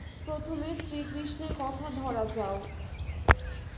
প্রথমে শ্রীকৃষ্ণের কথা ধরা যাউক।